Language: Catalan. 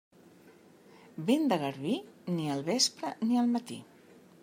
Vent de garbí? Ni al vespre ni al matí.